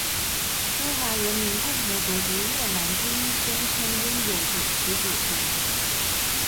中华人民共和国及越南均宣称拥有其主权。